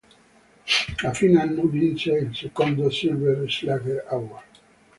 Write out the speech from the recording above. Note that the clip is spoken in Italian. A fine anno vinse il secondo Silver Slugger Award.